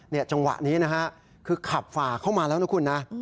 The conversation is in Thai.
จังหวะนี้นะฮะคือขับฝ่าเข้ามาแล้วนะคุณนะ